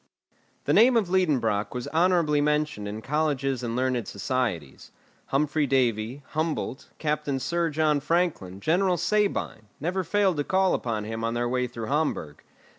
The name of Liedenbrock was honourably mentioned in colleges and learned societies. Humphry Davy, Humboldt, Captain Sir John Franklin, General Sabine, never failed to call upon him on their way through Hamburg.